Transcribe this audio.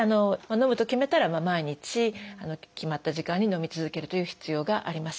のむと決めたら毎日決まった時間にのみ続けるという必要があります。